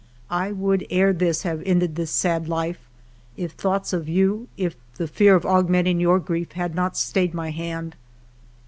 I would ere this have ended this sad life, if thoughts of you, if the fear of augmenting your grief, had not stayed my hand.